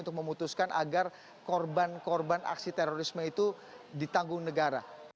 untuk memutuskan agar korban korban aksi terorisme itu ditanggung negara